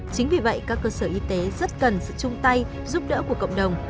chính vì vậy các cơ sở y tế rất cần sự chung tay giúp đỡ của cộng đồng